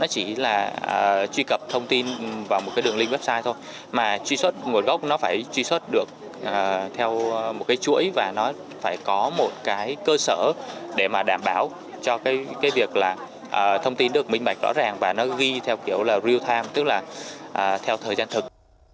chỉ là truy cập thông tin vào một cái đường lin website thôi mà truy xuất nguồn gốc nó phải truy xuất được theo một cái chuỗi và nó phải có một cái cơ sở để mà đảm bảo cho cái việc là thông tin được minh bạch rõ ràng và nó ghi theo kiểu là real time tức là theo thời gian thực